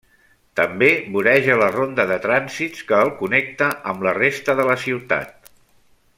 També voreja la ronda de trànsits, que el connecta amb la resta de la ciutat.